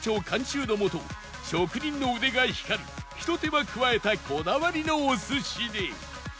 監修のもと職人の腕が光るひと手間加えたこだわりのお寿司で